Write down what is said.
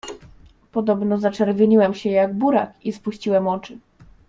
"Podobno zaczerwieniłem się, jak burak i spuściłem oczy."